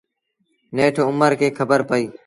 نيٺ اُمر کي کبر پئيٚ۔